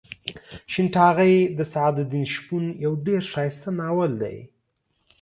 شین ټاغۍ د سعد الدین شپون یو ډېر ښایسته ناول دی.